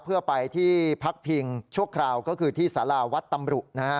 เพื่อไปที่พักพิงชั่วคราวก็คือที่สาราวัดตำรุนะฮะ